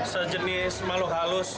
sejenis mahluk halus